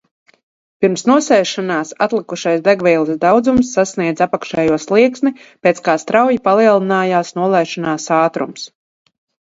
Pirms nosēšanās atlikušais degvielas daudzums sasniedza apakšējo slieksni, pēc kā strauji palielinājās nolaišanās ātrums.